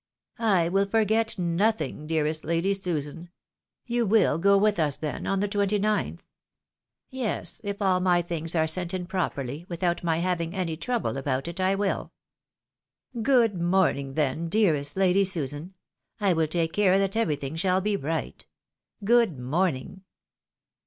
" I will forget nothing, dearest Lady Susan ! Tou wiU go with us, then, on the 29th?" " Yes, if all my things are sent in properly, without my having any trouble about it, I wiU." " Oond morning, then, dearest Lady Susan ! I wUl take care that everything shall be right. Good morning."